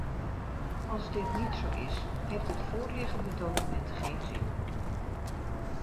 Als dit niet zo is, heeft het voorliggende document geen zin.